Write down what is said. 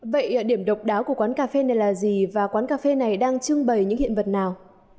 vậy điểm độc đáo của quán cà phê này là gì và quán cà phê này đang trưng bày những hiện vật nào